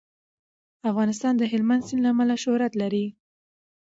افغانستان د هلمند سیند له امله شهرت لري.